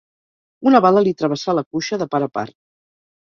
Una bala li travessà la cuixa de part a part.